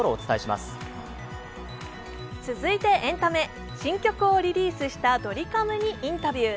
続いてエンタメ、新曲をリリースしたドリカムにインタビュー。